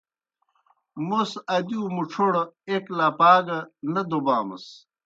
موْس ادِیؤ مُڇھوڑ ایْک لپَا گہ نہ دوبامَس۔